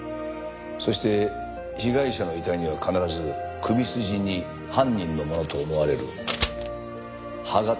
そして被害者の遺体には必ず首筋に犯人のものと思われる歯形が残されていた。